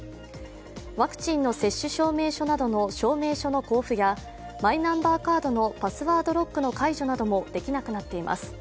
ワクチンの接種証明書などの証明書の交付やマイナンバーカードのパスワードロックの解除などもできなくなっています。